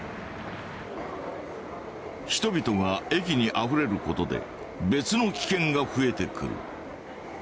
人々が駅にあふれることで別の危険が増えてくる。